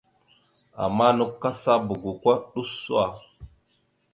Ama nakw kasaba goko ɗʉso.